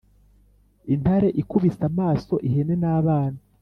” intareikubise amaso ihene n’abana